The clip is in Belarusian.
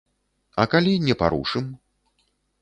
А калі не парушым?